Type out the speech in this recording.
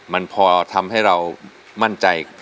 มันพอทำให้เรามั่นใจ